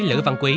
lữ văn quý